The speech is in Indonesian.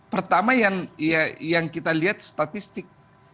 pertama yang kita lihat statistik